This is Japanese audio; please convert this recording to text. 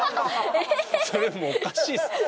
それもうおかしいですって。